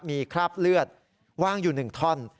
มีคราบเลือดว่างอยู่๑ท่อน